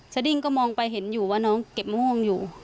ดิ้งก็มองไปเห็นอยู่ว่าน้องเก็บมะม่วงอยู่